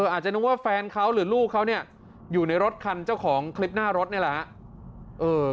อาจจะนึกว่าแฟนเขาหรือลูกเขาเนี่ยอยู่ในรถคันเจ้าของคลิปหน้ารถนี่แหละครับ